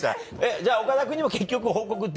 じゃあ岡田君にも結局報告できず？